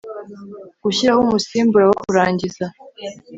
gushyiraho umusimbura wo kurangiza